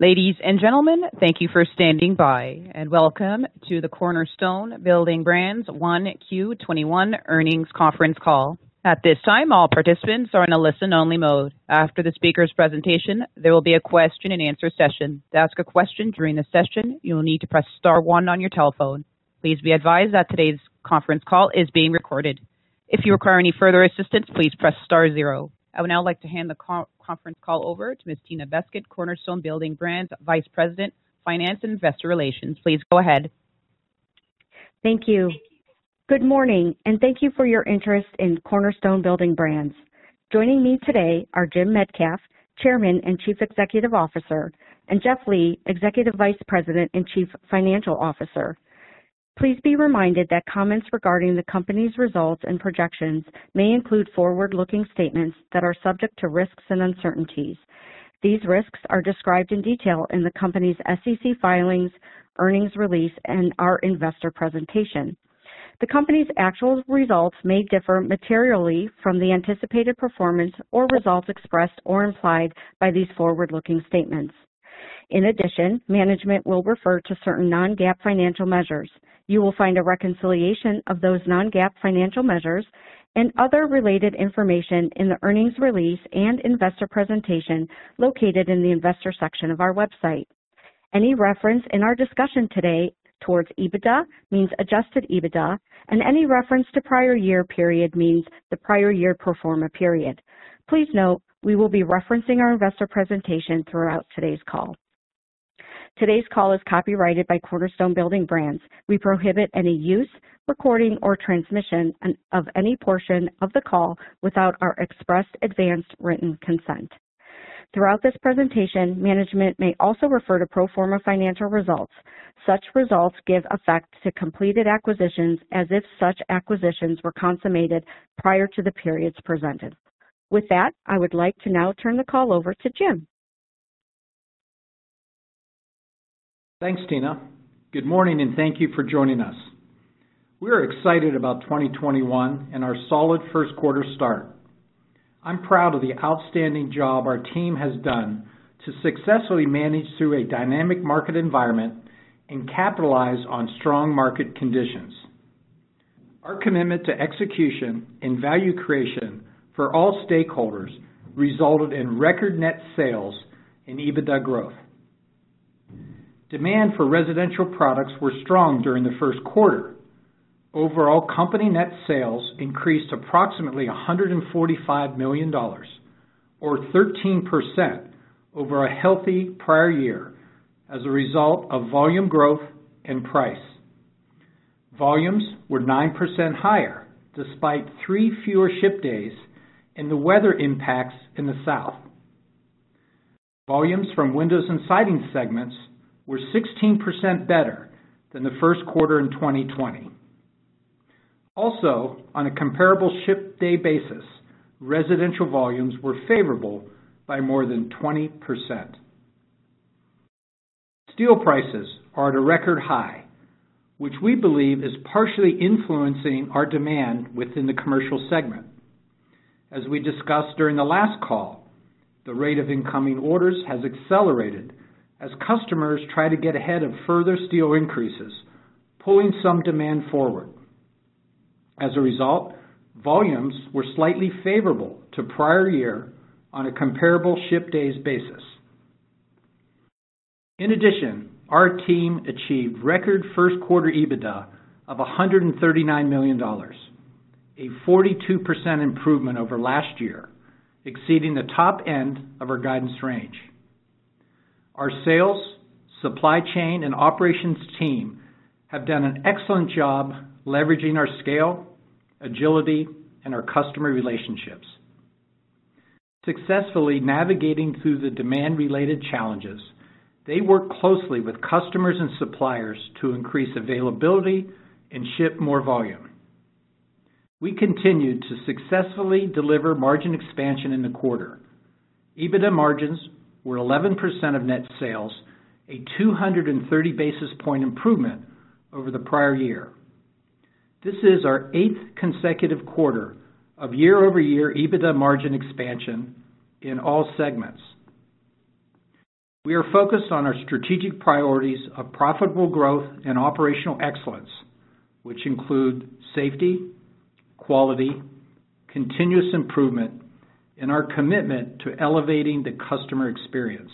Ladies and gentlemen, thank you for standing by, and welcome to the Cornerstone Building Brands 1Q 2021 earnings conference call. At this time all participants are in a listen-only mode. After the speakers presentations there will be a question and answer session. To as a question during the session, you will need to press star one on your telephone. Please be advised that this today's conference call is being recorded. If you require any further assistance please press star zero. I would now like to hand the conference call over to Ms. Tina Beskid, Cornerstone Building Brands Vice President, Finance and Investor Relations. Please go ahead. Thank you. Good morning, thank you for your interest in Cornerstone Building Brands. Joining me today are Jim Metcalf, Chairman and Chief Executive Officer, and Jeff Lee, Executive Vice President and Chief Financial Officer. Please be reminded that comments regarding the company's results and projections may include forward-looking statements that are subject to risks and uncertainties. These risks are described in detail in the company's SEC filings, earnings release, and our investor presentation. The company's actual results may differ materially from the anticipated performance or results expressed in or implied by these forward-looking statements. In addition, management will refer to certain non-GAAP financial measures. You will find a reconciliation of those non-GAAP financial measures and other related information in the earnings release and investor presentation located in the investor section of our website. Any reference in our discussion today towards EBITDA means adjusted EBITDA, and any reference to prior year period means the prior year pro forma period. Please note, we will be referencing our investor presentation throughout today's call. Today's call is copyrighted by Cornerstone Building Brands. We prohibit any use, recording, or transmission of any portion of the call without our express advanced written consent. Throughout this presentation, management may also refer to pro forma financial results. Such results give effect to completed acquisitions as if such acquisitions were consummated prior to the periods presented. With that, I would like to now turn the call over to Jim. Thanks, Tina. Good morning, and thank you for joining us. We're excited about 2021 and our solid first quarter start. I'm proud of the outstanding job our team has done to successfully manage through a dynamic market environment and capitalize on strong market conditions. Our commitment to execution and value creation for all stakeholders resulted in record net sales and EBITDA growth. Demand for residential products were strong during the first quarter. Overall, company net sales increased approximately $145 million, or 13%, over a healthy prior year as a result of volume growth and price. Volumes were 9% higher despite three fewer ship days and the weather impacts in the South. Volumes from windows and siding segments were 16% better than the first quarter in 2020. On a comparable ship day basis, residential volumes were favorable by more than 20%. Steel prices are at a record high, which we believe is partially influencing our demand within the commercial segment. As we discussed during the last call, the rate of incoming orders has accelerated as customers try to get ahead of further steel increases, pulling some demand forward. As a result, volumes were slightly favorable to prior year on a comparable ship days basis. In addition, our team achieved record first quarter EBITDA of $139 million, a 42% improvement over last year, exceeding the top end of our guidance range. Our sales, supply chain, and operations team have done an excellent job leveraging our scale, agility, and our customer relationships. Successfully navigating through the demand-related challenges, they work closely with customers and suppliers to increase availability and ship more volume. We continued to successfully deliver margin expansion in the quarter. EBITDA margins were 11% of net sales, a 230 basis point improvement over the prior year. This is our eighth consecutive quarter of year-over-year EBITDA margin expansion in all segments. We are focused on our strategic priorities of profitable growth and operational excellence, which include safety, quality, continuous improvement, and our commitment to elevating the customer experience.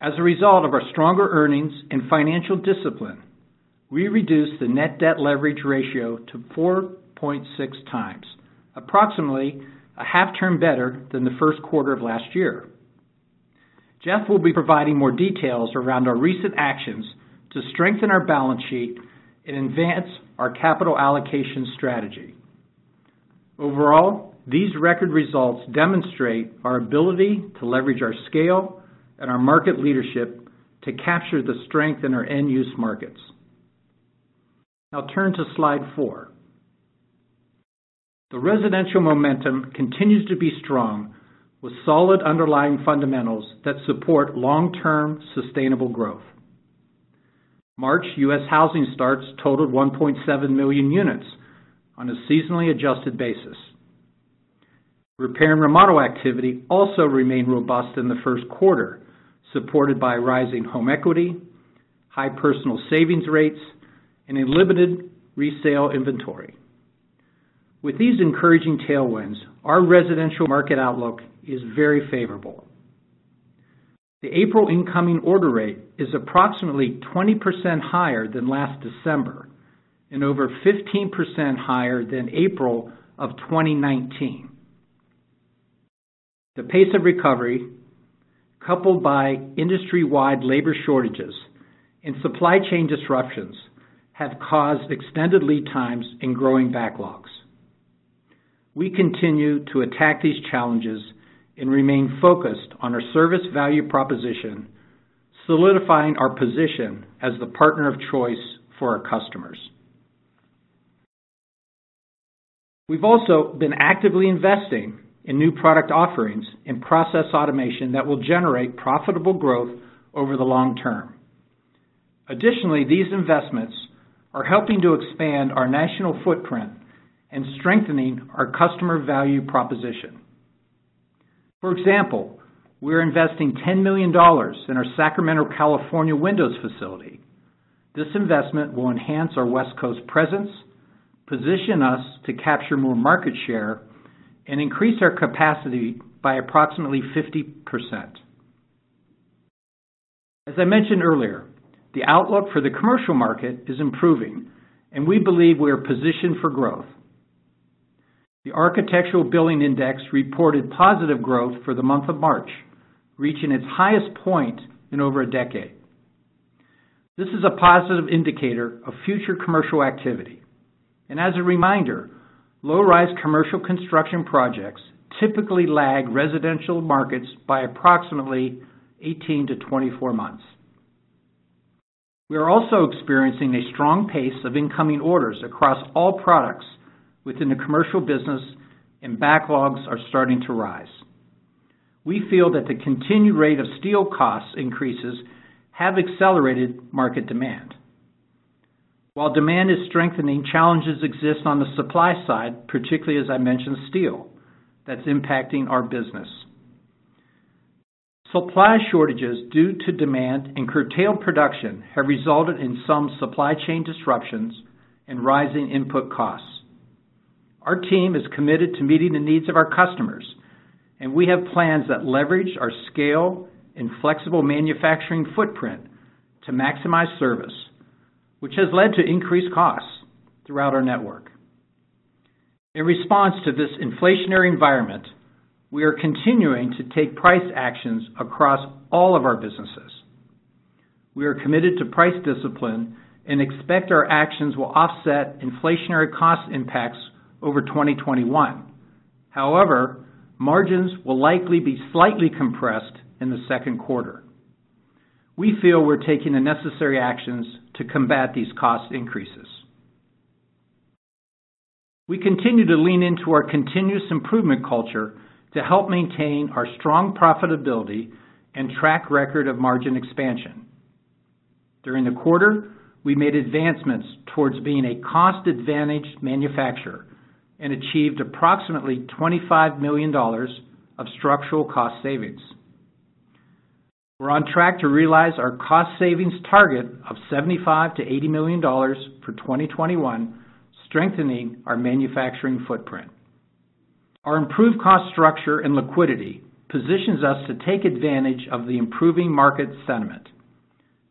As a result of our stronger earnings and financial discipline, we reduced the net debt leverage ratio to 4.6x, approximately a half turn better than the first quarter of last year. Jeff will be providing more details around our recent actions to strengthen our balance sheet and advance our capital allocation strategy. Overall, these record results demonstrate our ability to leverage our scale and our market leadership to capture the strength in our end-use markets. Now turn to slide four. The residential momentum continues to be strong with solid underlying fundamentals that support long-term sustainable growth. March U.S. housing starts totaled 1.7 million units on a seasonally adjusted basis. Repair and remodel activity also remained robust in the first quarter, supported by rising home equity, high personal savings rates, and a limited resale inventory. With these encouraging tailwinds, our residential market outlook is very favorable. The April incoming order rate is approximately 20% higher than last December and over 15% higher than April of 2019. The pace of recovery, coupled by industry-wide labor shortages and supply chain disruptions, have caused extended lead times and growing backlogs. We continue to attack these challenges and remain focused on our service value proposition, solidifying our position as the partner of choice for our customers. We've also been actively investing in new product offerings and process automation that will generate profitable growth over the long term. Additionally, these investments are helping to expand our national footprint and strengthening our customer value proposition. For example, we're investing $10 million in our Sacramento, California, windows facility. This investment will enhance our West Coast presence, position us to capture more market share, and increase our capacity by approximately 50%. As I mentioned earlier, the outlook for the commercial market is improving, and we believe we are positioned for growth. The Architecture Billings Index reported positive growth for the month of March, reaching its highest point in over a decade. This is a positive indicator of future commercial activity. As a reminder, low-rise commercial construction projects typically lag residential markets by approximately 18-24 months. We are also experiencing a strong pace of incoming orders across all products within the commercial business, and backlogs are starting to rise. We feel that the continued rate of steel cost increases have accelerated market demand. While demand is strengthening, challenges exist on the supply side, particularly, as I mentioned, steel, that's impacting our business. Supply shortages due to demand and curtailed production have resulted in some supply chain disruptions and rising input costs. Our team is committed to meeting the needs of our customers, and we have plans that leverage our scale and flexible manufacturing footprint to maximize service, which has led to increased costs throughout our network. In response to this inflationary environment, we are continuing to take price actions across all of our businesses. We are committed to price discipline and expect our actions will offset inflationary cost impacts over 2021. However, margins will likely be slightly compressed in the second quarter. We feel we're taking the necessary actions to combat these cost increases. We continue to lean into our continuous improvement culture to help maintain our strong profitability and track record of margin expansion. During the quarter, we made advancements towards being a cost-advantaged manufacturer and achieved approximately $25 million of structural cost savings. We're on track to realize our cost savings target of $75 million-$80 million for 2021, strengthening our manufacturing footprint. Our improved cost structure and liquidity positions us to take advantage of the improving market sentiment.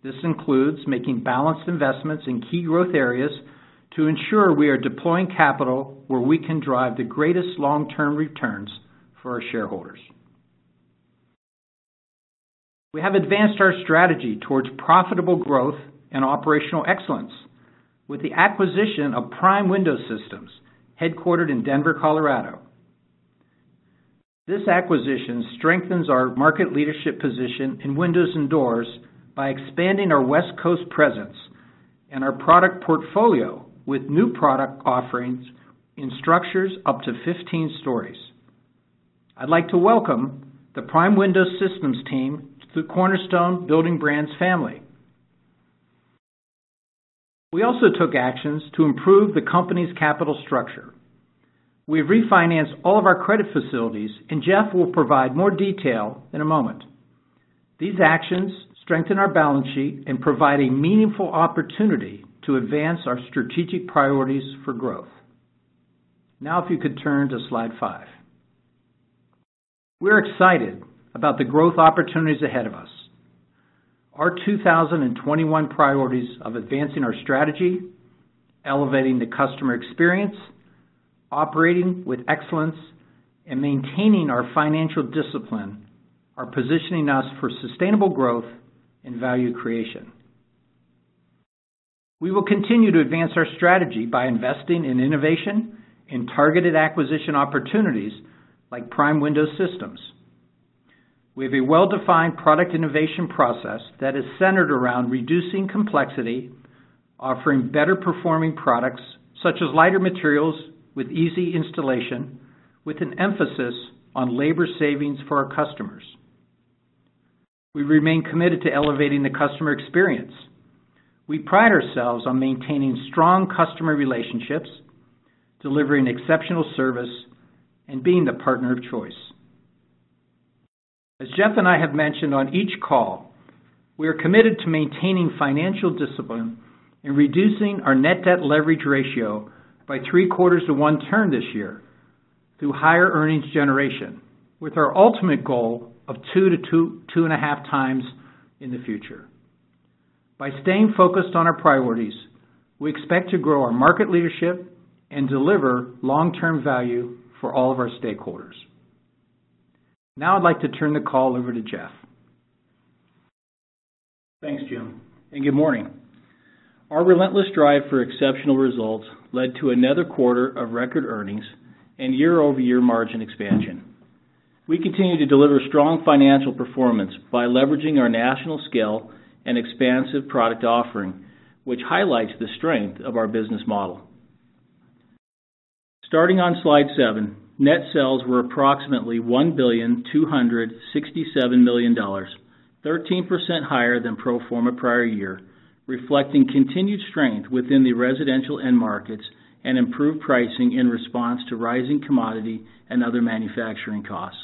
This includes making balanced investments in key growth areas to ensure we are deploying capital where we can drive the greatest long-term returns for our shareholders. We have advanced our strategy towards profitable growth and operational excellence with the acquisition of Prime Window Systems, headquartered in Denver, Colorado. This acquisition strengthens our market leadership position in windows and doors by expanding our West Coast presence and our product portfolio with new product offerings in structures up to 15 stories. I'd like to welcome the Prime Window Systems team to the Cornerstone Building Brands family. We also took actions to improve the company's capital structure. We refinanced all of our credit facilities. Jeff will provide more detail in a moment. These actions strengthen our balance sheet and provide a meaningful opportunity to advance our strategic priorities for growth. Now, if you could turn to slide five. We're excited about the growth opportunities ahead of us. Our 2021 priorities of advancing our strategy, elevating the customer experience, operating with excellence, and maintaining our financial discipline are positioning us for sustainable growth and value creation. We will continue to advance our strategy by investing in innovation and targeted acquisition opportunities like Prime Window Systems. We have a well-defined product innovation process that is centered around reducing complexity, offering better performing products, such as lighter materials with easy installation, with an emphasis on labor savings for our customers. We remain committed to elevating the customer experience. We pride ourselves on maintaining strong customer relationships, delivering exceptional service, and being the partner of choice. As Jeff and I have mentioned on each call, we are committed to maintaining financial discipline and reducing our net debt leverage ratio by three quarters to one turn this year through higher earnings generation, with our ultimate goal of 2x-2.5x In the future. By staying focused on our priorities, we expect to grow our market leadership and deliver long-term value for all of our stakeholders. Now I'd like to turn the call over to Jeff. Thanks, Jim, and good morning. Our relentless drive for exceptional results led to another quarter of record earnings and year-over-year margin expansion. We continue to deliver strong financial performance by leveraging our national scale and expansive product offering, which highlights the strength of our business model. Starting on slide seven, net sales were approximately $1,267,000,000, 13% higher than pro forma prior year, reflecting continued strength within the residential end markets and improved pricing in response to rising commodity and other manufacturing costs.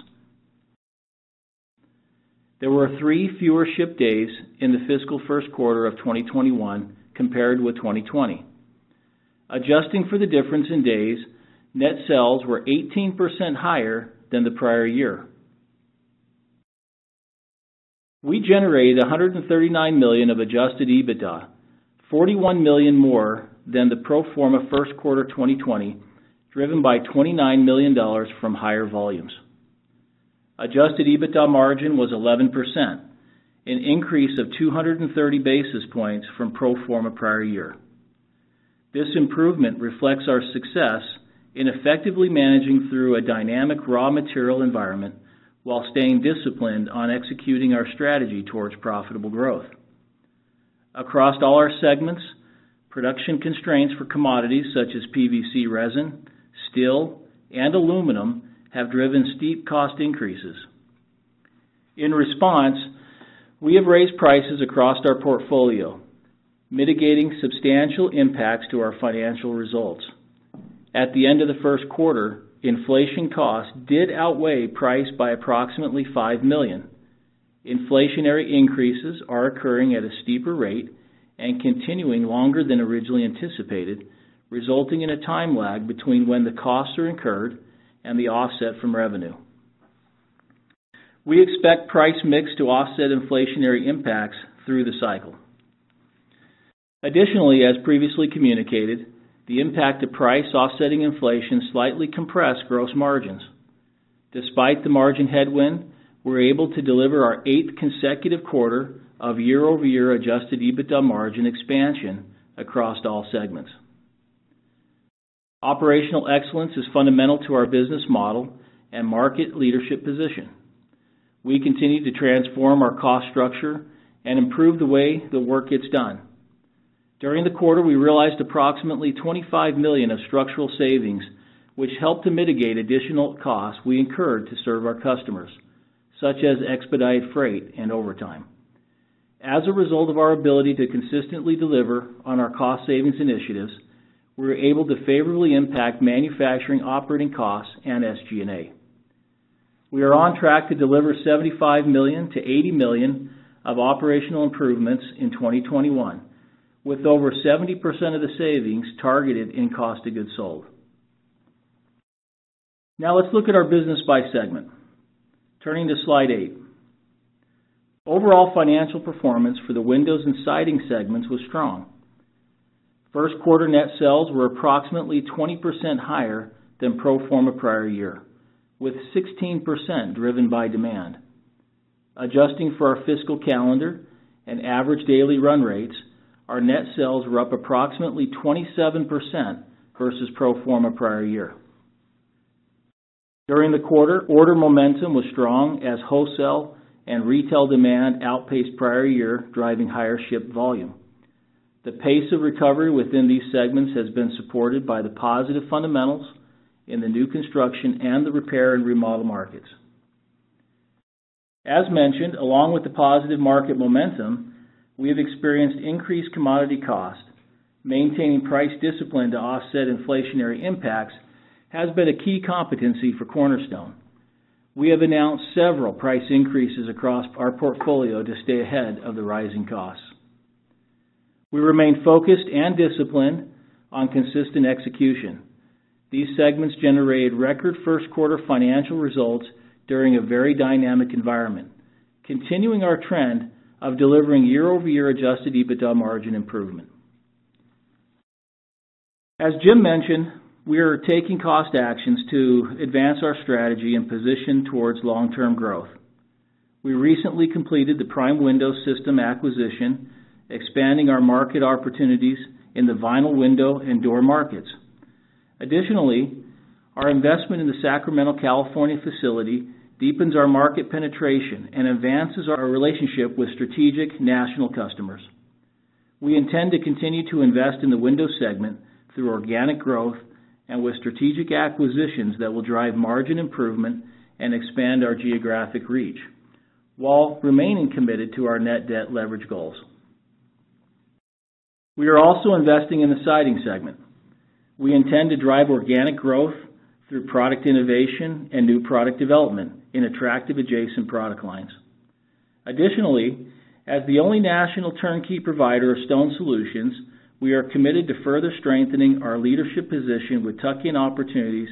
There were three fewer ship days in the fiscal first quarter of 2021 compared with 2020. Adjusting for the difference in days, net sales were 18% higher than the prior year. We generated $139 million of adjusted EBITDA, $41 million more than the pro forma first quarter 2020, driven by $29 million from higher volumes. Adjusted EBITDA margin was 11%, an increase of 230 basis points from pro forma prior year. This improvement reflects our success in effectively managing through a dynamic raw material environment while staying disciplined on executing our strategy towards profitable growth. Across all our segments, production constraints for commodities such as PVC resin, steel, and aluminum have driven steep cost increases. In response, we have raised prices across our portfolio, mitigating substantial impacts to our financial results. At the end of the first quarter, inflation costs did outweigh price by approximately $5 million. Inflationary increases are occurring at a steeper rate and continuing longer than originally anticipated, resulting in a time lag between when the costs are incurred and the offset from revenue. We expect price mix to offset inflationary impacts through the cycle. Additionally, as previously communicated, the impact of price offsetting inflation slightly compressed gross margins. Despite the margin headwind, we're able to deliver our eighth consecutive quarter of year-over-year adjusted EBITDA margin expansion across all segments. Operational excellence is fundamental to our business model and market leadership position. We continue to transform our cost structure and improve the way the work gets done. During the quarter, we realized approximately $25 million of structural savings, which helped to mitigate additional costs we incurred to serve our customers, such as expedited freight and overtime. As a result of our ability to consistently deliver on our cost savings initiatives, we were able to favorably impact manufacturing operating costs and SG&A. We are on track to deliver $75 million-$80 million of operational improvements in 2021, with over 70% of the savings targeted in cost of goods sold. Let's look at our business by segment. Turning to slide eight. Overall financial performance for the windows and siding segments was strong. First quarter net sales were approximately 20% higher than pro forma prior year, with 16% driven by demand. Adjusting for our fiscal calendar and average daily run rates, our net sales were up approximately 27% versus pro forma prior year. During the quarter, order momentum was strong as wholesale and retail demand outpaced prior year, driving higher ship volume. The pace of recovery within these segments has been supported by the positive fundamentals in the new construction and the repair and remodel markets. As mentioned, along with the positive market momentum, we have experienced increased commodity cost. Maintaining price discipline to offset inflationary impacts has been a key competency for Cornerstone. We have announced several price increases across our portfolio to stay ahead of the rising costs. We remain focused and disciplined on consistent execution. These segments generated record first quarter financial results during a very dynamic environment, continuing our trend of delivering year-over-year adjusted EBITDA margin improvement. As Jim mentioned, we are taking cost actions to advance our strategy and position towards long-term growth. We recently completed the Prime Window Systems acquisition, expanding our market opportunities in the vinyl window and door markets. Additionally, our investment in the Sacramento, California facility deepens our market penetration and advances our relationship with strategic national customers. We intend to continue to invest in the windows segment through organic growth and with strategic acquisitions that will drive margin improvement and expand our geographic reach, while remaining committed to our net debt leverage goals. We are also investing in the siding segment. We intend to drive organic growth through product innovation and new product development in attractive adjacent product lines. Additionally, as the only national turnkey provider of stone solutions, we are committed to further strengthening our leadership position with tuck-in opportunities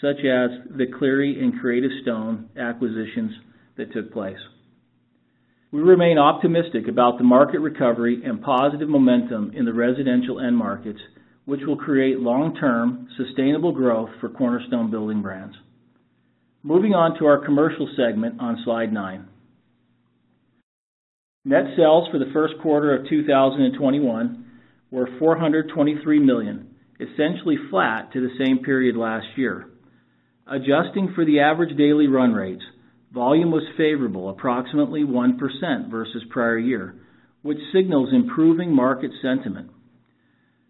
such as the Kleary and Creative Stone acquisitions that took place. We remain optimistic about the market recovery and positive momentum in the residential end markets, which will create long-term sustainable growth for Cornerstone Building Brands. Moving on to our commercial segment on slide nine. Net sales for the first quarter of 2021 were $423 million, essentially flat to the same period last year. Adjusting for the average daily run rates, volume was favorable, approximately 1% versus prior year, which signals improving market sentiment.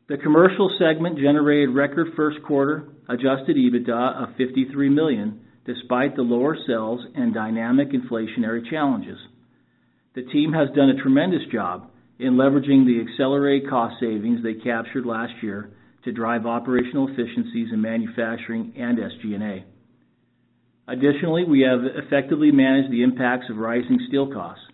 The commercial segment generated record first quarter adjusted EBITDA of $53 million, despite the lower sales and dynamic inflationary challenges. The team has done a tremendous job in leveraging the accelerated cost savings they captured last year to drive operational efficiencies in manufacturing and SG&A. Additionally, we have effectively managed the impacts of rising steel costs.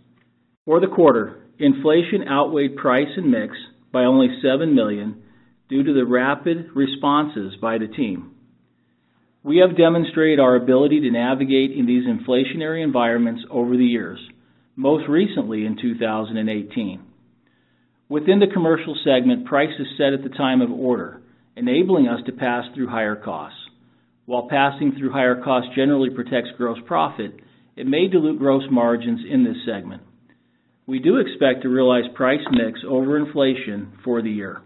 For the quarter, inflation outweighed price and mix by only $7 million due to the rapid responses by the team. We have demonstrated our ability to navigate in these inflationary environments over the years, most recently in 2018. Within the commercial segment, price is set at the time of order, enabling us to pass through higher costs. While passing through higher costs generally protects gross profit, it may dilute gross margins in this segment. We do expect to realize price mix over inflation for the year.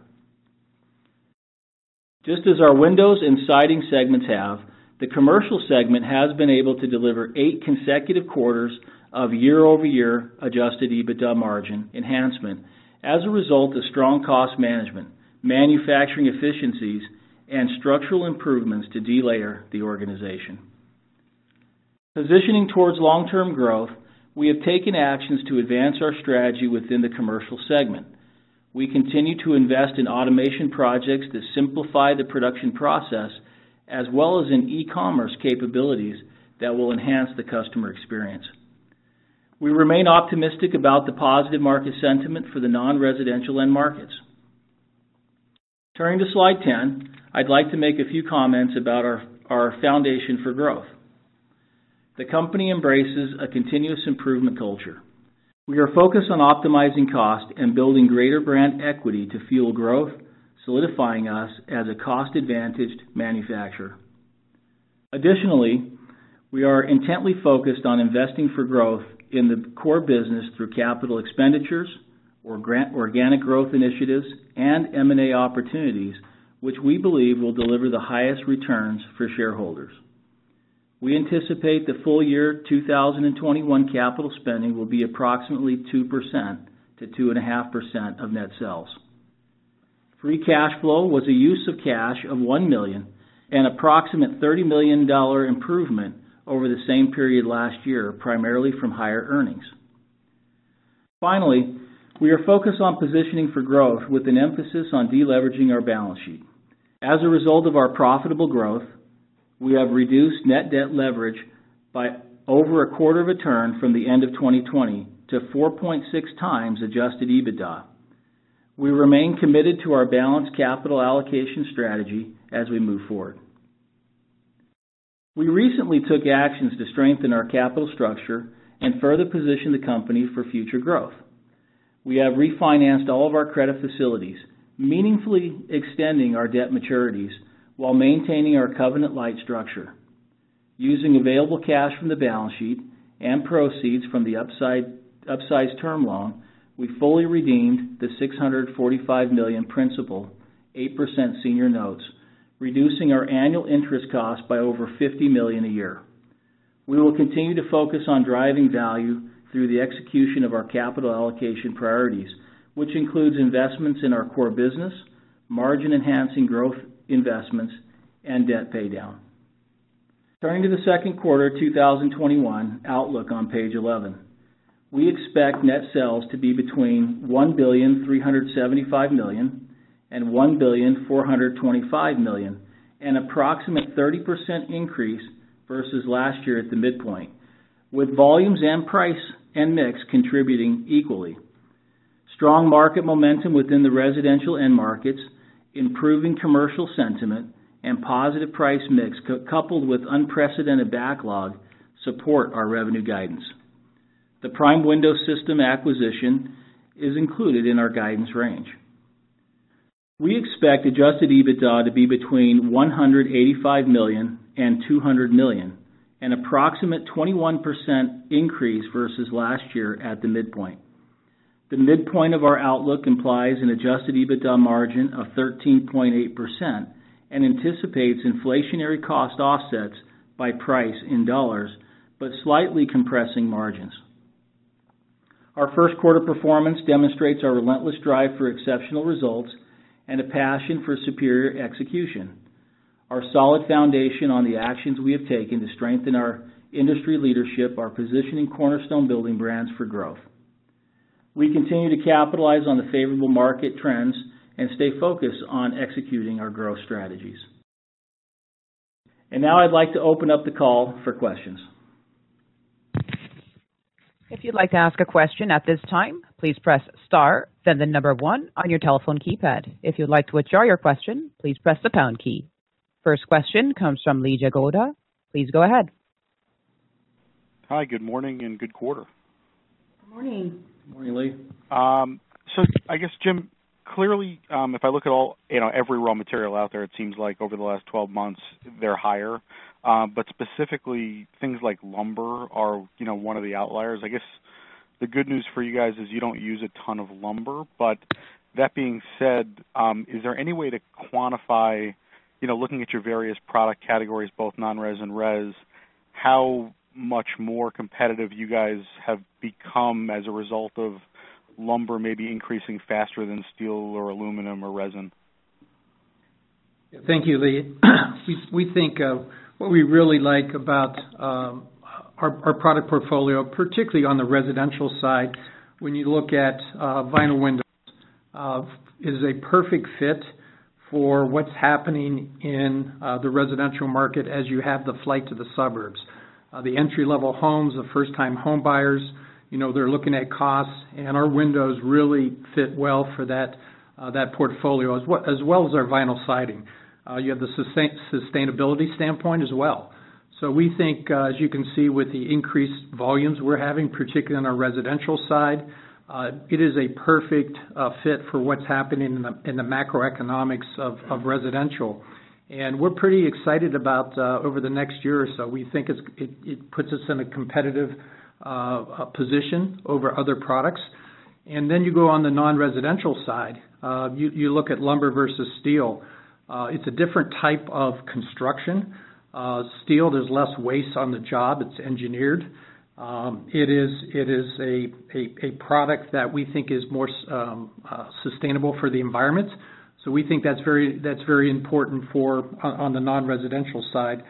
Just as our windows and siding segments have, the commercial segment has been able to deliver eight consecutive quarters of year-over-year adjusted EBITDA margin enhancement as a result of strong cost management, manufacturing efficiencies, and structural improvements to delayer the organization. Positioning towards long-term growth, we have taken actions to advance our strategy within the commercial segment. We continue to invest in automation projects to simplify the production process, as well as in e-commerce capabilities that will enhance the customer experience. We remain optimistic about the positive market sentiment for the non-residential end markets. Turning to slide 10, I'd like to make a few comments about our foundation for growth. The company embraces a continuous improvement culture. We are focused on optimizing cost and building greater brand equity to fuel growth, solidifying us as a cost-advantaged manufacturer. Additionally, we are intently focused on investing for growth in the core business through capital expenditures or organic growth initiatives and M&A opportunities, which we believe will deliver the highest returns for shareholders. We anticipate the full year 2021 capital spending will be approximately 2%-2.5% of net sales. Free cash flow was a use of cash of $1 million, an approximate $30 million improvement over the same period last year, primarily from higher earnings. Finally, we are focused on positioning for growth with an emphasis on deleveraging our balance sheet. As a result of our profitable growth, we have reduced net debt leverage by over a quarter of a turn from the end of 2020 to 4.6x adjusted EBITDA. We remain committed to our balanced capital allocation strategy as we move forward. We recently took actions to strengthen our capital structure and further position the company for future growth. We have refinanced all of our credit facilities, meaningfully extending our debt maturities while maintaining our covenant-light structure. Using available cash from the balance sheet and proceeds from the upsized term loan, we fully redeemed the $645 million principal, 8% senior notes, reducing our annual interest cost by over $50 million a year. We will continue to focus on driving value through the execution of our capital allocation priorities, which includes investments in our core business, margin-enhancing growth investments, and debt paydown. Turning to the second quarter 2021 outlook on page 11. We expect net sales to be between $1.375 billion and $1.425 billion, an approximate 30% increase versus last year at the midpoint, with volumes and price and mix contributing equally. Strong market momentum within the residential end markets, improving commercial sentiment, and positive price mix, coupled with unprecedented backlog, support our revenue guidance. The Prime Window Systems acquisition is included in our guidance range. We expect adjusted EBITDA to be between $185 million and $200 million, an approximate 21% increase versus last year at the midpoint. The midpoint of our outlook implies an adjusted EBITDA margin of 13.8% and anticipates inflationary cost offsets by price in dollars, but slightly compressing margins. Our first quarter performance demonstrates our relentless drive for exceptional results and a passion for superior execution. Our solid foundation on the actions we have taken to strengthen our industry leadership are positioning Cornerstone Building Brands for growth. We continue to capitalize on the favorable market trends and stay focused on executing our growth strategies. Now I'd like to open up the call for questions. If you would like to ask a question at this time please press star then the number one on your telephone keypad. If you would like to withdraw your question please press the pound key. First question comes from Lee Jagoda. Please go ahead. Hi, good morning and good quarter. Good morning. Good morning, Lee. I guess, Jim, clearly, if I look at every raw material out there, it seems like over the last 12 months, they're higher. Specifically, things like lumber are one of the outliers. I guess the good news for you guys is you don't use a ton of lumber. That being said, is there any way to quantify, looking at your various product categories, both non-res and res, how much more competitive you guys have become as a result of lumber maybe increasing faster than steel or aluminum or resin? Thank you, Lee. What we really like about our product portfolio, particularly on the residential side, when you look at vinyl windows, it is a perfect fit for what's happening in the residential market as you have the flight to the suburbs. The entry-level homes, the first-time homebuyers, they're looking at costs, and our windows really fit well for that portfolio, as well as our vinyl siding. You have the sustainability standpoint as well. We think, as you can see with the increased volumes we're having, particularly on our residential side, it is a perfect fit for what's happening in the macroeconomics of residential. We're pretty excited about over the next year or so. We think it puts us in a competitive position over other products. You go on the non-residential side. You look at lumber versus steel. It's a different type of construction. Steel, there's less waste on the job. It's engineered. It is a product that we think is more sustainable for the environment. We think that's very important on the non-residential side,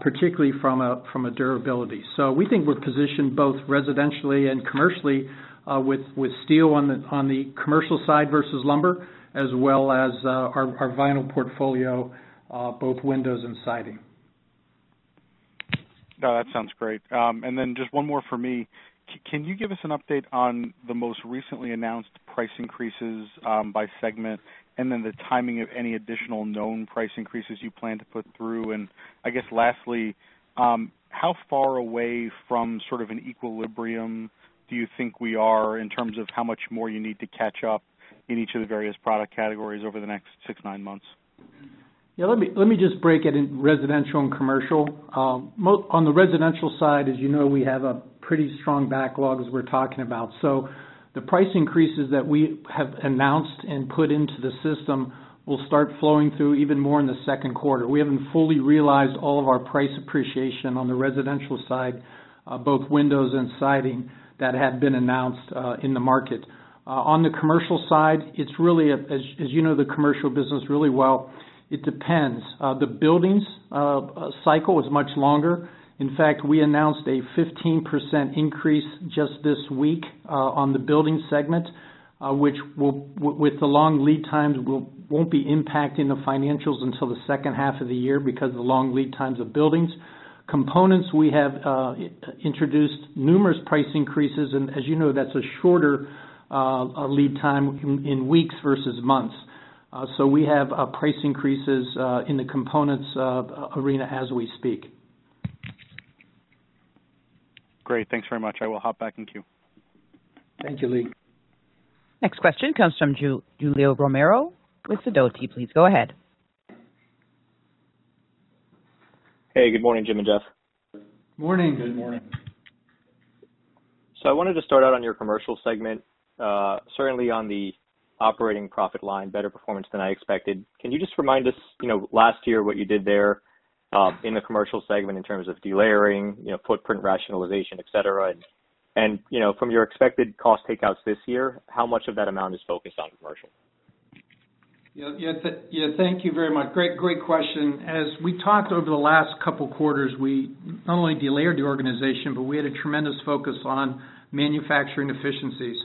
particularly from a durability. We think we're positioned both residentially and commercially with steel on the commercial side versus lumber, as well as our vinyl portfolio, both windows and siding. No, that sounds great. Just one more for me. Can you give us an update on the most recently announced price increases by segment, and then the timing of any additional known price increases you plan to put through? I guess lastly, how far away from sort of an equilibrium do you think we are in terms of how much more you need to catch up in each of the various product categories over the next six, nine months? Yeah, let me just break it in residential and commercial. On the residential side, as you know, we have a pretty strong backlog as we're talking about. The price increases that we have announced and put into the system will start flowing through even more in the second quarter. We haven't fully realized all of our price appreciation on the residential side, both windows and siding, that had been announced in the market. On the commercial side, as you know the commercial business really well, it depends. The buildings cycle is much longer. In fact, we announced a 15% increase just this week on the buildings segment, which with the long lead times, won't be impacting the financials until the second half of the year because of the long lead times of buildings. Components, we have introduced numerous price increases, as you know, that is a shorter lead time in weeks versus months. We have price increases in the components arena as we speak. Great. Thanks very much. I will hop back in queue. Thank you, Lee. Next question comes from Julio Romero with Sidoti. Please go ahead. Hey, good morning, Jim and Jeff. Morning. Good morning. I wanted to start out on your commercial segment. Certainly, on the operating profit line, better performance than I expected. Can you just remind us, last year what you did there in the commercial segment in terms of delayering, footprint rationalization, et cetera? And, from your expected cost takeouts this year, how much of that amount is focused on commercial? Yeah, thank you very much. Great question. As we talked over the last couple of quarters, we not only delayered the organization, but we had a tremendous focus on manufacturing efficiencies.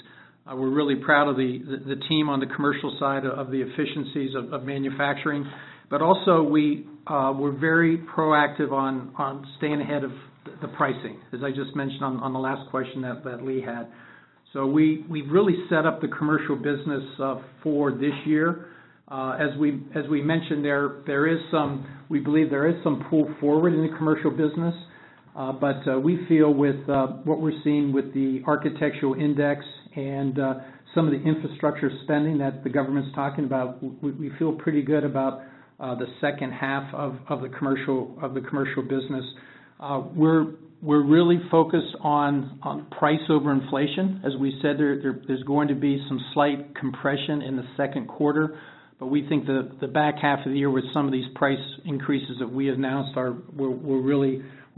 We're really proud of the team on the commercial side of the efficiencies of manufacturing. Also, we're very proactive on staying ahead of the pricing, as I just mentioned on the last question that Lee had. We've really set up the commercial business for this year. As we mentioned, we believe there is some pull forward in the commercial business We feel with what we're seeing with the Architectural Index and some of the infrastructure spending that the government's talking about, we feel pretty good about the second half of the commercial business. We're really focused on price over inflation. As we said, there's going to be some slight compression in the second quarter. We think that the back half of the year, with some of these price increases that we announced, will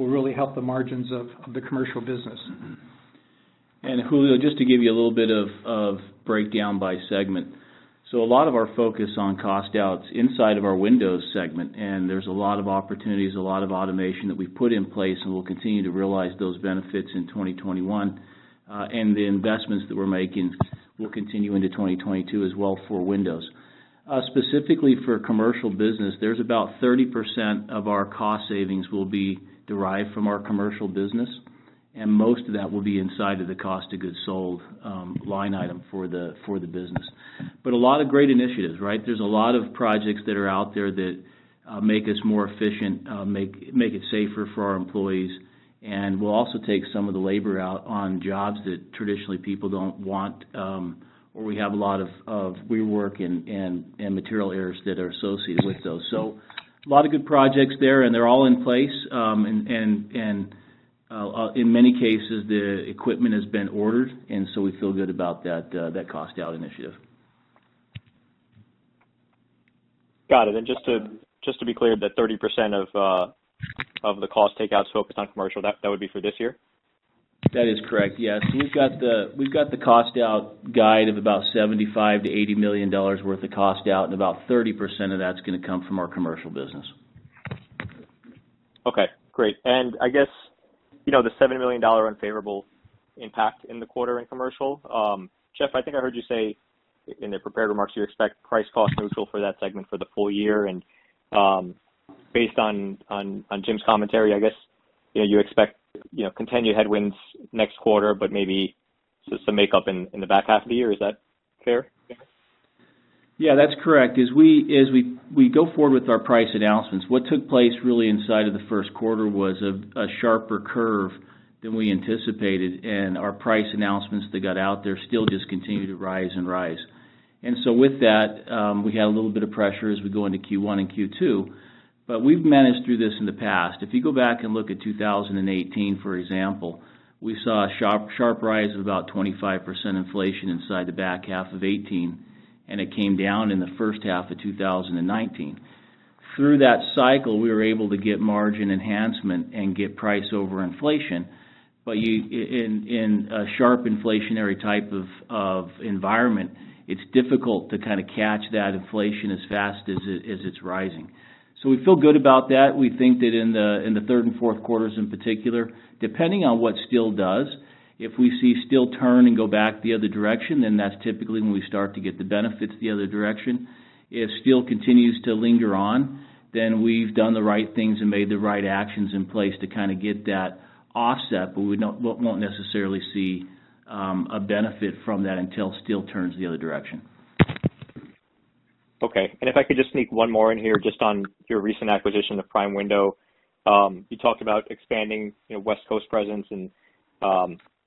really help the margins of the commercial business. Julio, just to give you a little bit of breakdown by segment. A lot of our focus on cost outs inside of our windows segment, and there's a lot of opportunities, a lot of automation that we've put in place, and we'll continue to realize those benefits in 2021. The investments that we're making will continue into 2022 as well for windows. Specifically for commercial business, there's about 30% of our cost savings will be derived from our commercial business, and most of that will be inside of the cost of goods sold line item for the business. A lot of great initiatives. There's a lot of projects that are out there that make us more efficient, make it safer for our employees, and will also take some of the labor out on jobs that traditionally people don't want, or we have a lot of rework and material errors that are associated with those. A lot of good projects there, and they're all in place. In many cases, the equipment has been ordered, we feel good about that cost out initiative. Got it. Just to be clear, that 30% of the cost takeouts focused on commercial, that would be for this year? That is correct. Yes. We've got the cost out guide of about $75 million-$80 million worth of cost out, and about 30% of that's going to come from our commercial business. Okay, great. I guess, the $7 million unfavorable impact in the quarter in Commercial. Jeff, I think I heard you say in the prepared remarks, you expect price cost neutral for that segment for the full year. Based on Jim's commentary, I guess you expect continued headwinds next quarter, but maybe some makeup in the back half of the year. Is that fair? Yeah, that's correct. As we go forward with our price announcements, what took place really inside of the first quarter was a sharper curve than we anticipated, and our price announcements that got out there, steel just continued to rise and rise. With that, we had a little bit of pressure as we go into Q1 and Q2. We've managed through this in the past. If you go back and look at 2018, for example, we saw a sharp rise of about 25% inflation inside the back half of 2018, and it came down in the first half of 2019. Through that cycle, we were able to get margin enhancement and get price over inflation. In a sharp inflationary type of environment, it's difficult to kind of catch that inflation as fast as it's rising. We feel good about that. We think that in the third and fourth quarters in particular, depending on what steel does, if we see steel turn and go back the other direction, that's typically when we start to get the benefits the other direction. If steel continues to linger on, we've done the right things and made the right actions in place to kind of get that offset, we won't necessarily see a benefit from that until steel turns the other direction. Okay. If I could just sneak one more in here, just on your recent acquisition of Prime Window. You talked about expanding West Coast presence and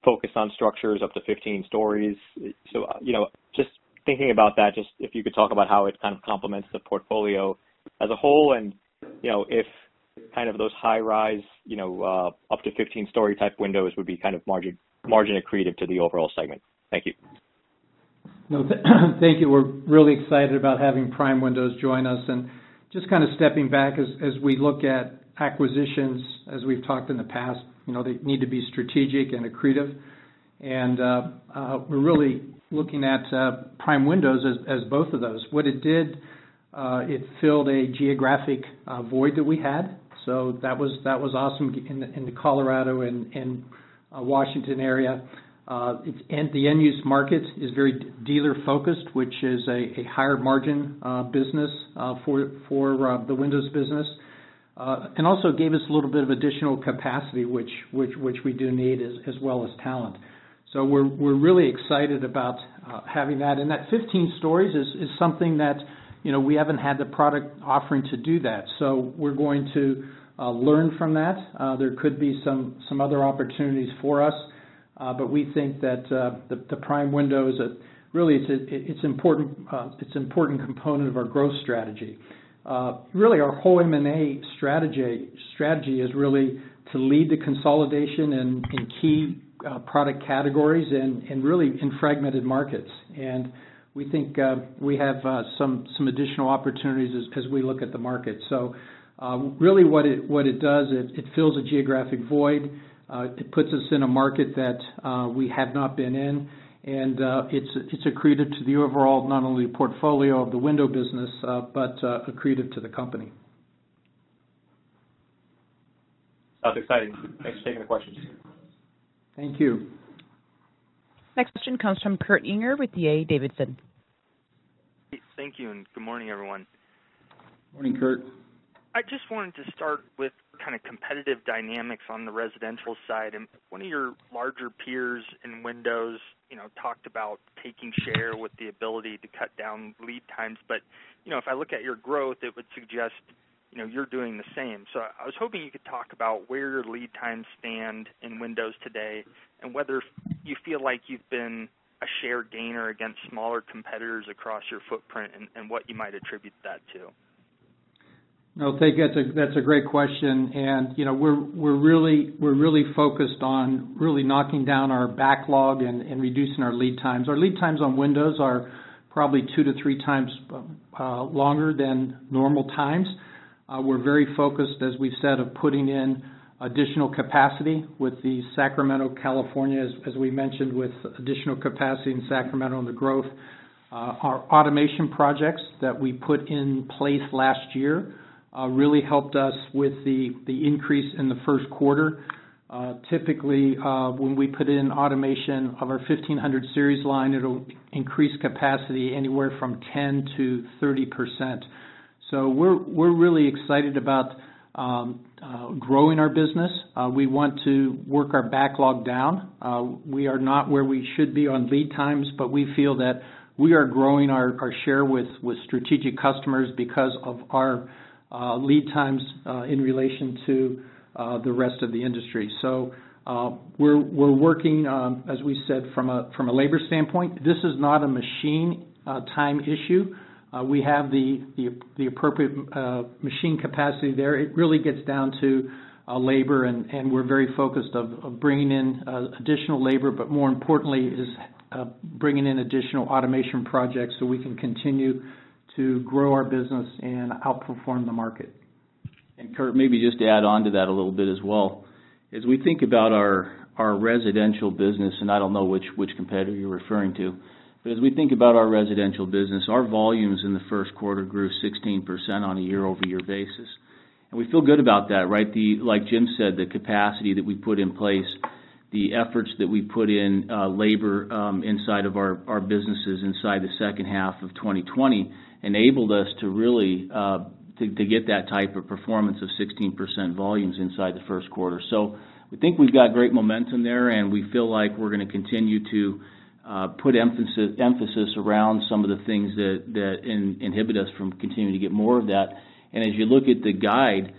focus on structures up to 15 stories. Just thinking about that, just if you could talk about how it kind of complements the portfolio as a whole and, if kind of those high-rise, up to 15-story type windows would be kind of margin accretive to the overall segment. Thank you. Thank you. We're really excited about having Prime Windows join us, just kind of stepping back as we look at acquisitions, as we've talked in the past, they need to be strategic and accretive. We're really looking at Prime Windows as both of those. What it did, it filled a geographic void that we had, so that was awesome in the Colorado and Washington area. The end-use market is very dealer-focused, which is a higher margin business for the windows business. Also gave us a little bit of additional capacity, which we do need, as well as talent. We're really excited about having that. That 15 stories is something that we haven't had the product offering to do that. We're going to learn from that. There could be some other opportunities for us. We think that the Prime Window Systems, really it's an important component of our growth strategy. Really our whole M&A strategy is really to lead the consolidation in key product categories and really in fragmented markets. We think we have some additional opportunities as we look at the market. Really what it does, it fills a geographic void. It puts us in a market that we have not been in, and it's accretive to the overall not only portfolio of the window business, but accretive to the company. That's exciting. Thanks for taking the questions. Thank you. Next question comes from Kurt Yinger with D.A. Davidson. Thank you, and good morning, everyone. Morning, Kurt. I just wanted to start with kind of competitive dynamics on the residential side. One of your larger peers in windows talked about taking share with the ability to cut down lead times. If I look at your growth, it would suggest you're doing the same. I was hoping you could talk about where your lead times stand in Windows today, and whether you feel like you've been a shared gainer against smaller competitors across your footprint, and what you might attribute that to. No, thank you. That's a great question. We're really focused on really knocking down our backlog and reducing our lead times. Our lead times on windows are probably two to three times longer than normal times. We're very focused, as we've said, on putting in additional capacity with the Sacramento, California, as we mentioned, with additional capacity in Sacramento and the growth. Our automation projects that we put in place last year really helped us with the increase in the first quarter. Typically, when we put in automation of our 1500 Series line, it'll increase capacity anywhere from 10%-30%. We're really excited about growing our business. We want to work our backlog down. We are not where we should be on lead times, but we feel that we are growing our share with strategic customers because of our lead times in relation to the rest of the industry. We're working, as we said, from a labor standpoint. This is not a machine time issue. We have the appropriate machine capacity there. It really gets down to labor, and we're very focused on bringing in additional labor. More importantly is bringing in additional automation projects so we can continue to grow our business and outperform the market. Kurt, maybe just to add onto that a little bit as well. As we think about our residential business, and I don't know which competitor you're referring to, but as we think about our residential business, our volumes in the first quarter grew 16% on a year-over-year basis. We feel good about that. Like Jim said, the capacity that we put in place, the efforts that we put in labor inside of our businesses inside the second half of 2020 enabled us to really get that type of performance of 16% volumes inside the first quarter. We think we've got great momentum there, and we feel like we're going to continue to put emphasis around some of the things that inhibit us from continuing to get more of that. As you look at the guide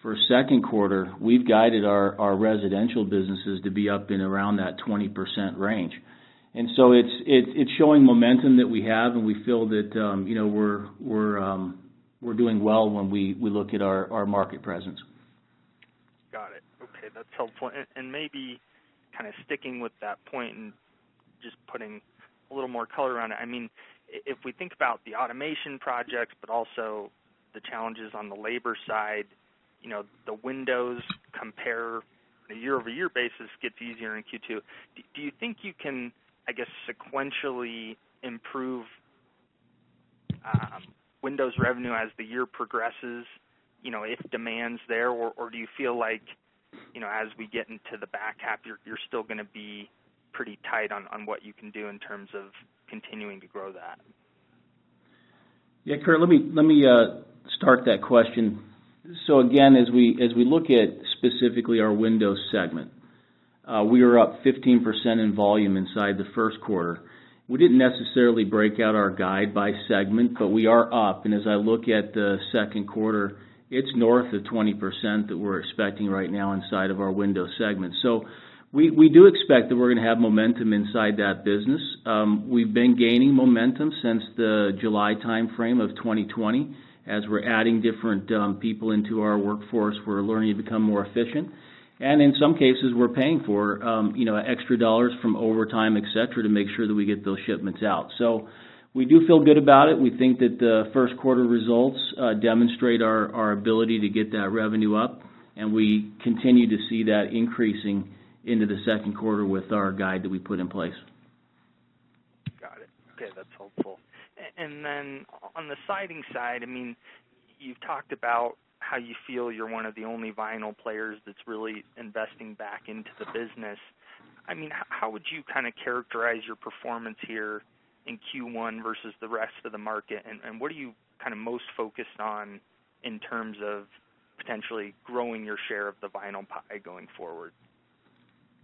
for second quarter, we've guided our residential businesses to be up and around that 20% range. So it's showing momentum that we have, and we feel that we're doing well when we look at our market presence. Got it. Okay, that's helpful. Maybe kind of sticking with that point and just putting a little more color on it. If we think about the automation projects, but also the challenges on the labor side, the Windows compare on a year-over-year basis gets easier in Q2. Do you think you can, I guess, sequentially improve Windows revenue as the year progresses if demand's there? Or do you feel like, as we get into the back half, you're still going to be pretty tight on what you can do in terms of continuing to grow that? Yeah, Kurt, let me start that question. Again, as we look at specifically our Windows segment, we were up 15% in volume inside the first quarter. We didn't necessarily break out our guide by segment, we are up. As I look at the second quarter, it's north of 20% that we're expecting right now inside of our Windows segment. We do expect that we're going to have momentum inside that business. We've been gaining momentum since the July timeframe of 2020. As we're adding different people into our workforce, we're learning to become more efficient. In some cases, we're paying for extra dollars from overtime, et cetera, to make sure that we get those shipments out. We do feel good about it. We think that the first quarter results demonstrate our ability to get that revenue up, and we continue to see that increasing into the second quarter with our guide that we put in place. Got it. Okay, that's helpful. On the siding side, you've talked about how you feel you're one of the only vinyl players that's really investing back into the business. How would you kind of characterize your performance here in Q1 versus the rest of the market, what are you kind of most focused on in terms of potentially growing your share of the vinyl pie going forward?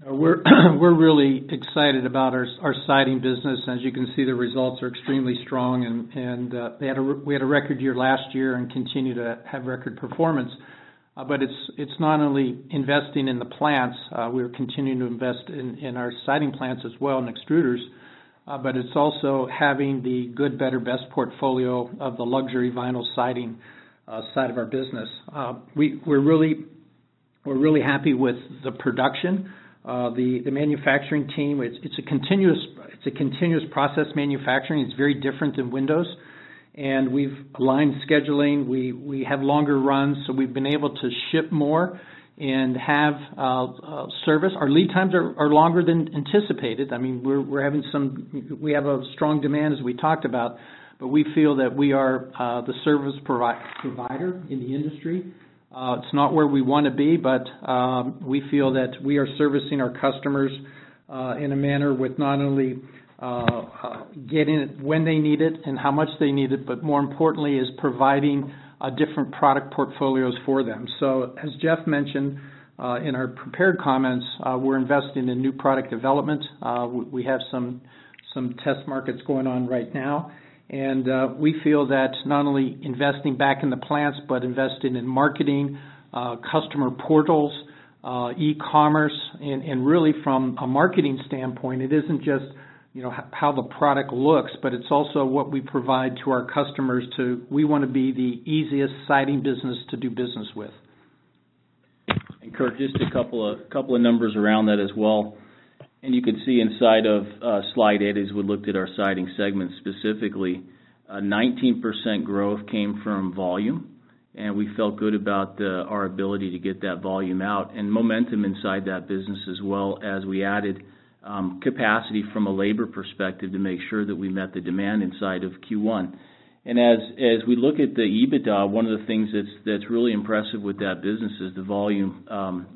We're really excited about our siding business. As you can see, the results are extremely strong. We had a record year last year and continue to have record performance. It's not only investing in the plants. We're continuing to invest in our siding plants as well, and extruders. It's also having the good, better, best portfolio of the luxury vinyl siding side of our business. We're really happy with the production. The manufacturing team, it's a continuous process manufacturing. It's very different than windows. We've aligned scheduling. We have longer runs, so we've been able to ship more and have service. Our lead times are longer than anticipated. We have a strong demand, as we talked about, but we feel that we are the service provider in the industry. It's not where we want to be, but we feel that we are servicing our customers in a manner with not only getting it when they need it and how much they need it, but more importantly is providing different product portfolios for them. As Jeff mentioned in our prepared comments, we're investing in new product development. We have some test markets going on right now. We feel that not only investing back in the plants but investing in marketing, customer portals, e-commerce, and really from a marketing standpoint, it isn't just how the product looks, but it's also what we provide to our customers. We want to be the easiest siding business to do business with. Kurt, just a couple of numbers around that as well. You can see inside of slide eight, as we looked at our siding segment specifically, 19% growth came from volume, and we felt good about our ability to get that volume out and momentum inside that business as well as we added capacity from a labor perspective to make sure that we met the demand inside of Q1. As we look at the EBITDA, one of the things that's really impressive with that business is the volume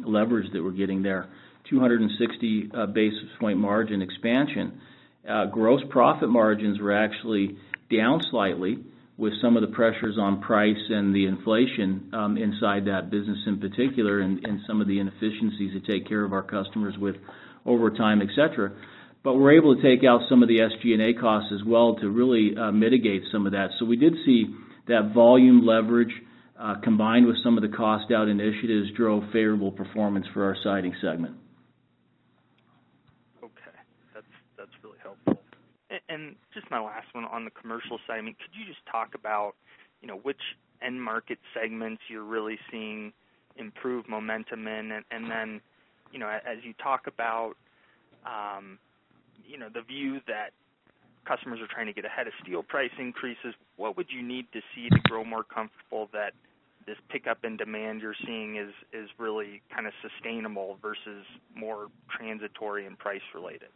leverage that we're getting there, 260 basis point margin expansion. Gross profit margins were actually down slightly with some of the pressures on price and the inflation inside that business in particular, and some of the inefficiencies to take care of our customers with overtime, et cetera. We're able to take out some of the SG&A costs as well to really mitigate some of that. We did see that volume leverage, combined with some of the cost-out initiatives, drove favorable performance for our siding segment. Okay. That's really helpful. Just my last one on the commercial side, could you just talk about which end market segments you're really seeing improved momentum in? As you talk about the view that customers are trying to get ahead of steel price increases, what would you need to see to grow more comfortable that this pickup in demand you're seeing is really sustainable versus more transitory and price-related?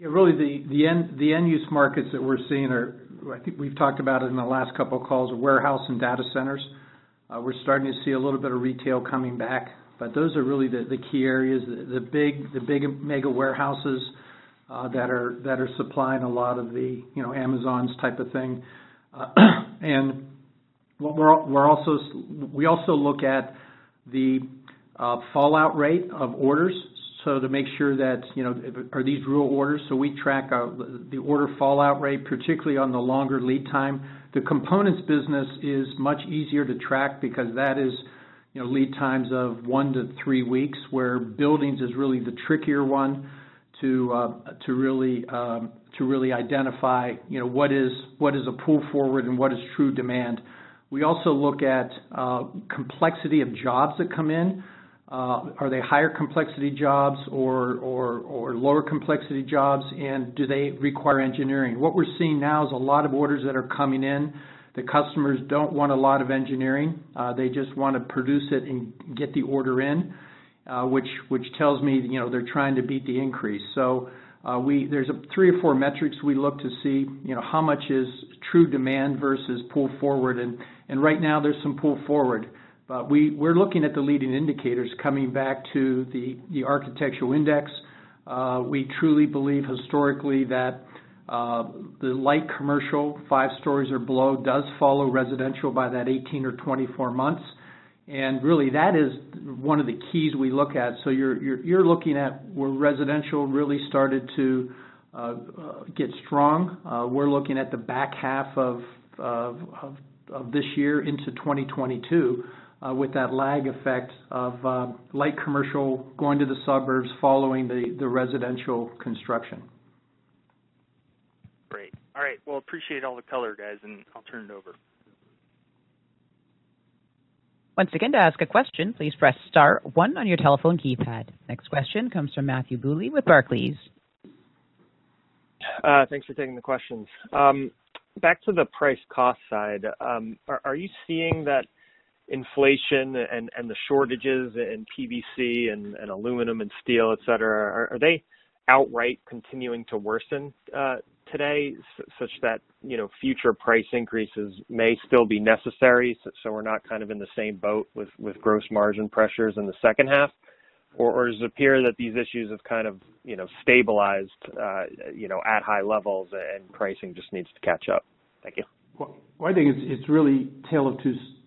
Really the end-use markets that we're seeing are, I think we've talked about it in the last couple of calls, warehouse and data centers. We're starting to see a little bit of retail coming back. Those are really the key areas. The big mega warehouses that are supplying a lot of the Amazons type of thing. We also look at the fallout rate of orders, so to make sure that, are these real orders? We track the order fallout rate, particularly on the longer lead time. The components business is much easier to track because that is lead times of one to three weeks, where buildings is really the trickier one to really identify what is a pull forward and what is true demand. We also look at complexity of jobs that come in. Are they higher complexity jobs or lower complexity jobs, and do they require engineering? What we're seeing now is a lot of orders that are coming in, the customers don't want a lot of engineering. They just want to produce it and get the order in, which tells me they're trying to beat the increase. There's three or four metrics we look to see how much is true demand versus pull forward, and right now there's some pull forward. We're looking at the leading indicators coming back to the Architecture Billings Index. We truly believe historically that the light commercial, five stories or below, does follow residential by that 18 or 24 months. Really that is one of the keys we look at. You're looking at where residential really started to get strong. We're looking at the back half of this year into 2022, with that lag effect of light commercial going to the suburbs following the residential construction. Great. All right. Well, appreciate all the color, guys, and I'll turn it over. Once again, to ask a question, please press star one on your telephone keypad. Next question comes from Matthew Bouley with Barclays. Thanks for taking the questions. Back to the price cost side. Are you seeing that inflation and the shortages in PVC and aluminum and steel, et cetera, are they outright continuing to worsen today, such that future price increases may still be necessary, so we're not in the same boat with gross margin pressures in the second half? Does it appear that these issues have stabilized at high levels and pricing just needs to catch up? Thank you. Well, I think it's really a tale of two stories here.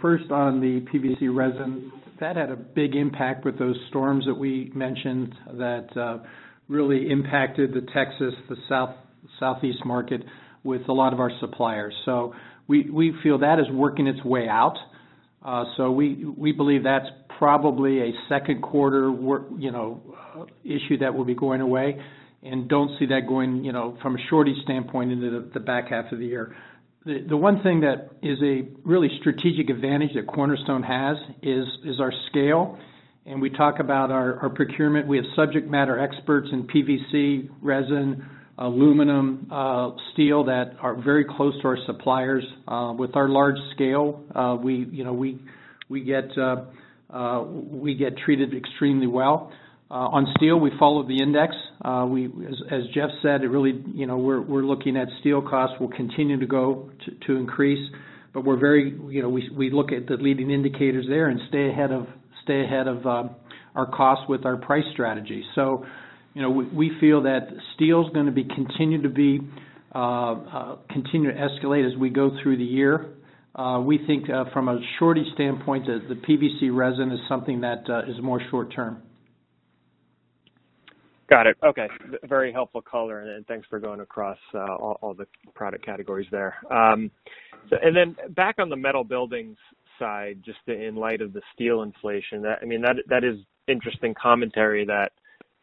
First on the PVC resin, that had a big impact with those storms that we mentioned that really impacted the Texas, the Southeast market with a lot of our suppliers. So we feel that is working its way out. So we believe that's probably a second quarter issue that will be going away and don't see that going, from a shortage standpoint, into the back half of the year. The one thing that is a really strategic advantage that Cornerstone has is our scale, and we talk about our procurement. We have subject matter experts in PVC resin, aluminum, steel, that are very close to our suppliers. With our large scale, we get treated extremely well. On steel, we follow the index. As Jeff said, we're looking at steel costs will continue to increase. We look at the leading indicators there and stay ahead of our costs with our price strategy. We feel that steel's going to continue to escalate as we go through the year. We think from a shortage standpoint, the PVC resin is something that is more short-term. Got it. Okay. Very helpful color, thanks for going across all the product categories there. Back on the metal buildings side, just in light of the steel inflation, that is interesting commentary that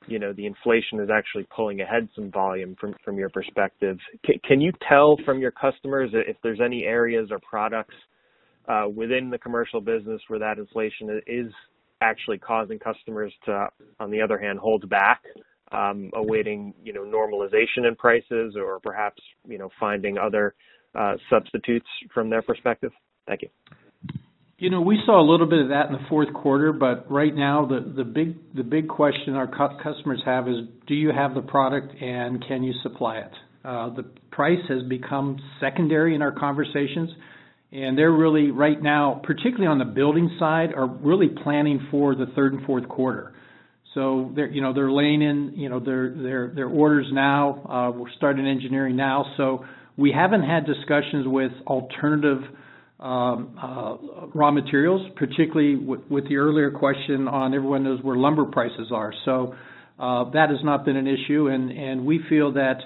the inflation is actually pulling ahead some volume from your perspective. Can you tell from your customers if there's any areas or products within the commercial business where that inflation is actually causing customers to, on the other hand, hold back, awaiting normalization in prices or perhaps finding other substitutes from their perspective? Thank you. We saw a little bit of that in the fourth quarter, but right now the big question our customers have is: do you have the product and can you supply it? The price has become secondary in our conversations, and they're really right now, particularly on the building side, are really planning for the third and fourth quarter. They're laying in their orders now. We're starting engineering now. We haven't had discussions with alternative raw materials, particularly with the earlier question on everyone knows where lumber prices are. That has not been an issue, and we feel that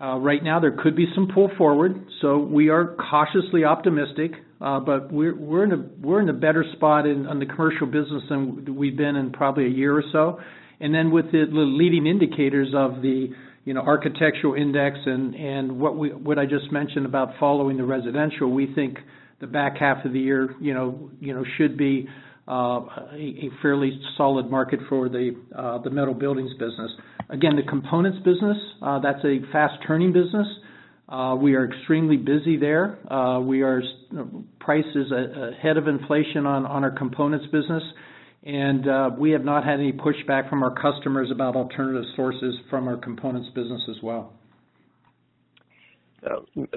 right now there could be some pull forward, so we are cautiously optimistic. We're in a better spot on the commercial business than we've been in probably a year or so. With the leading indicators of the Architecture Billings Index and what I just mentioned about following the residential, we think the back half of the year should be a fairly solid market for the metal buildings business. Again, the components business, that's a fast-turning business. We are extremely busy there. Price is ahead of inflation on our components business, and we have not had any pushback from our customers about alternative sources from our components business as well.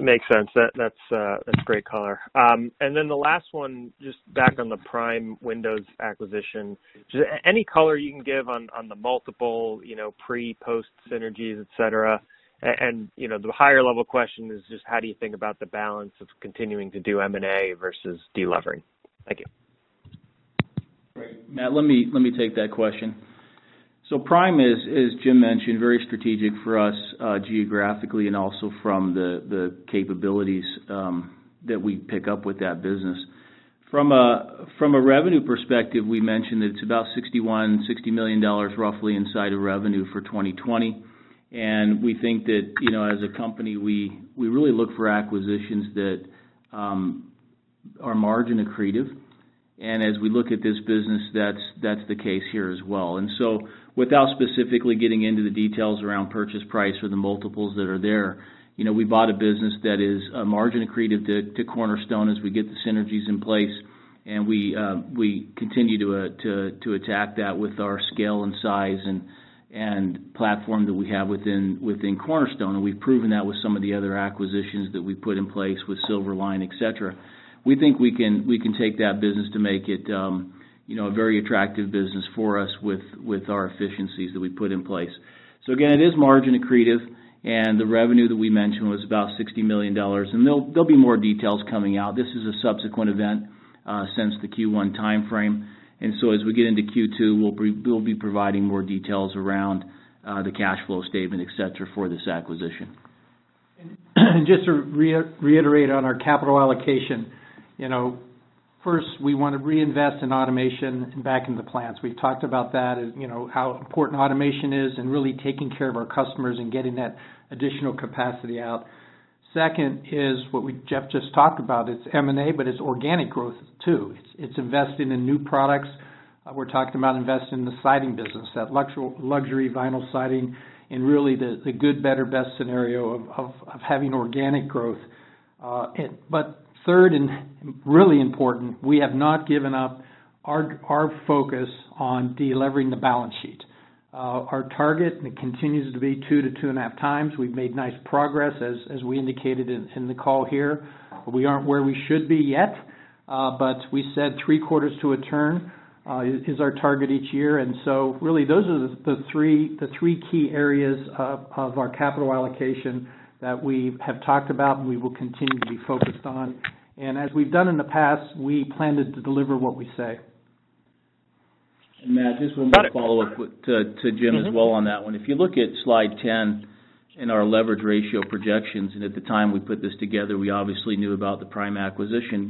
Makes sense. That's great color. The last one, just back on the Prime Windows acquisition. Any color you can give on the multiple pre, post synergies, et cetera? The higher-level question is just how do you think about the balance of continuing to do M&A versus delevering? Thank you. Great. Matt, let me take that question. Prime is, as Jim mentioned, very strategic for us geographically and also from the capabilities that we pick up with that business. From a revenue perspective, we mentioned that it's about $61 million, $60 million roughly inside of revenue for 2020. We think that as a company, we really look for acquisitions that are margin accretive. As we look at this business, that's the case here as well. Without specifically getting into the details around purchase price or the multiples that are there, we bought a business that is margin accretive to Cornerstone as we get the synergies in place, and we continue to attack that with our scale and size and platform that we have within Cornerstone. We've proven that with some of the other acquisitions that we put in place with Silver Line, et cetera. We think we can take that business to make it a very attractive business for us with our efficiencies that we put in place. Again, it is margin accretive, and the revenue that we mentioned was about $60 million. There'll be more details coming out. This is a subsequent event since the Q1 timeframe. As we get into Q2, we'll be providing more details around the cash flow statement, et cetera, for this acquisition. Just to reiterate on our capital allocation. First, we want to reinvest in automation back in the plants. We've talked about that, how important automation is and really taking care of our customers and getting that additional capacity out. Second is what Jeff just talked about. It's M&A, but it's organic growth, too. It's investing in new products. We're talking about investing in the siding business, that luxury vinyl siding, and really the good, better, best scenario of having organic growth. Third, and really important, we have not given up our focus on delevering the balance sheet. Our target, and it continues to be 2x-2.5x. We've made nice progress, as we indicated in the call here. We aren't where we should be yet. We said three quarters to a turn is our target each year. Really those are the three key areas of our capital allocation that we have talked about and we will continue to be focused on. As we've done in the past, we plan to deliver what we say. Matt, just one more follow-up to Jim as well on that one. If you look at slide 10 in our leverage ratio projections, and at the time we put this together, we obviously knew about the Prime acquisition.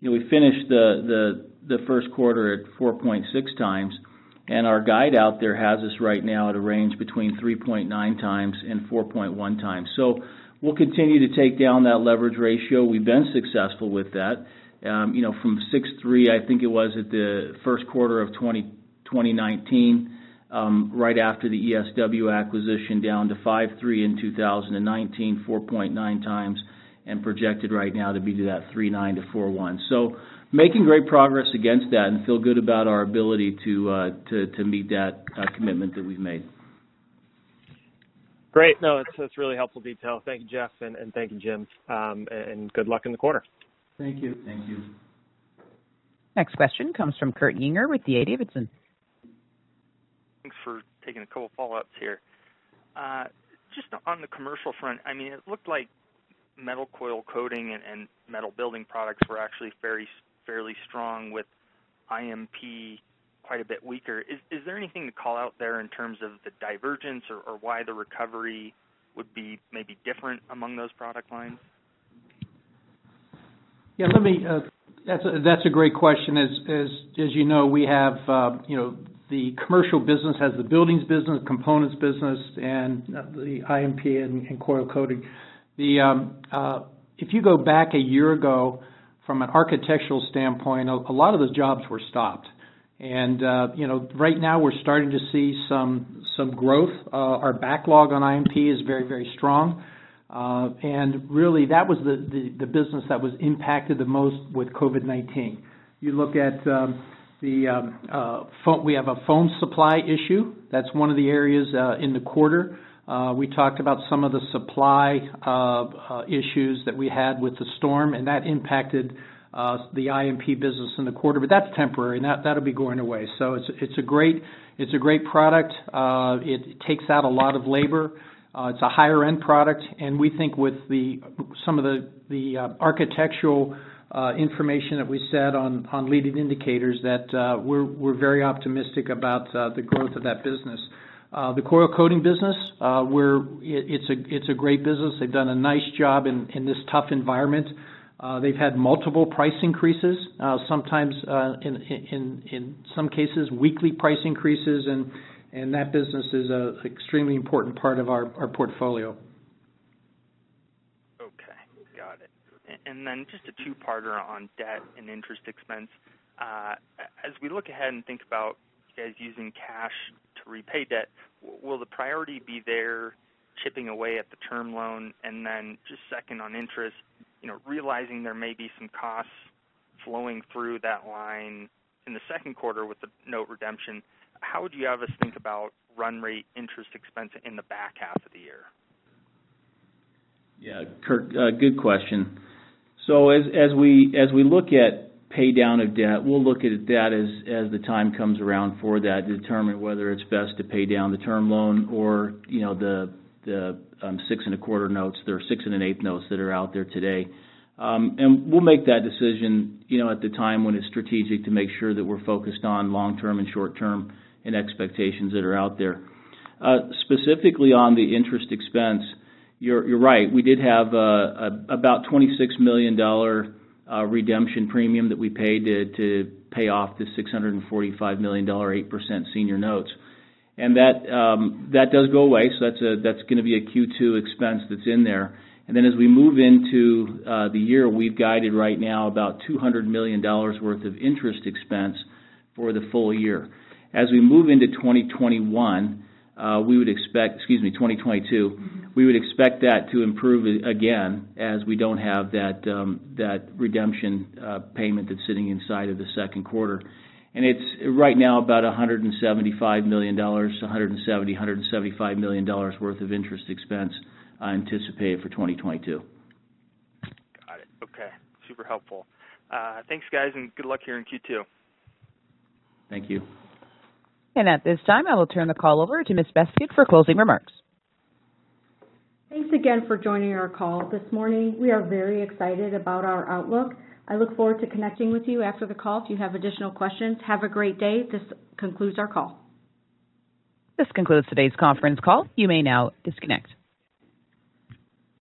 We finished the first quarter at 4.6x, and our guide out there has us right now at a range between 3.9x and 4.1x. We'll continue to take down that leverage ratio. We've been successful with that. From 63, I think it was, at the first quarter of 2019, right after the ESW acquisition down to 53 in 2019, 4.9x, and projected right now to be to that 39-41. Making great progress against that and feel good about our ability to meet that commitment that we've made. Great. No, that's really helpful detail. Thank you, Jeff, and thank you, Jim. Good luck in the quarter. Thank you. Next question comes from Kurt Yinger with D.A. Davidson. Thanks for taking a couple of follow-ups here. Just on the commercial front, it looked like metal coil coating and metal building products were actually fairly strong with IMP quite a bit weaker. Is there anything to call out there in terms of the divergence or why the recovery would be maybe different among those product lines? Yeah. That's a great question. As you know, the commercial business has the buildings business, components business, and the IMP and coil coating. If you go back a year ago, from an architectural standpoint, a lot of the jobs were stopped. Right now we're starting to see some growth. Our backlog on IMP is very strong. Really that was the business that was impacted the most with COVID-19. We have a foam supply issue. That's one of the areas in the quarter. We talked about some of the supply issues that we had with the storm, and that impacted the IMP business in the quarter. That's temporary, and that'll be going away. It's a great product. It takes out a lot of labor. It's a higher end product, and we think with some of the architectural information that we said on leading indicators, that we're very optimistic about the growth of that business. The coil coating business, it's a great business. They've done a nice job in this tough environment. They've had multiple price increases. In some cases, weekly price increases, and that business is extremely important part of our portfolio. Okay. Got it. Just a two-parter on debt and interest expense. As we look ahead and think about guys using cash to repay debt, will the priority be there chipping away at the term loan? Just second on interest, realizing there may be some costs flowing through that line in the second quarter with the note redemption, how would you have us think about run rate interest expense in the back half of the year? Yeah. Kurt, good question. As we look at pay down of debt, we'll look at debt as the time comes around for that to determine whether it's best to pay down the term loan or the six and a quarter notes. There are six and an eighth notes that are out there today. We'll make that decision at the time when it's strategic to make sure that we're focused on long-term and short-term, and expectations that are out there. Specifically on the interest expense, you're right. We did have about $26 million redemption premium that we paid to pay off the $645 million 8% senior notes. That does go away. That's going to be a Q2 expense that's in there. As we move into the year, we've guided right now about $200 million worth of interest expense for the full year. As we move into 2021, we would expect, excuse me, 2022, we would expect that to improve again as we don't have that redemption payment that's sitting inside of the second quarter. It's right now about $175 million, $170 million-$175 million worth of interest expense anticipated for 2022. Got it. Okay. Super helpful. Thanks, guys, and good luck here in Q2. Thank you. At this time, I will turn the call over to Ms. Beskid for closing remarks. Thanks again for joining our call this morning. We are very excited about our outlook. I look forward to connecting with you after the call if you have additional questions. Have a great day. This concludes our call. This concludes today's conference call. You may now disconnect.